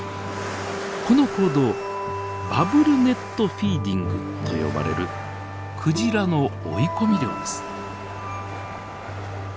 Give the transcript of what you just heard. この行動バブルネットフィーディングと呼ばれるクジラの追い込み漁です。